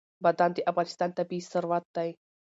بادام د افغانستان طبعي ثروت دی.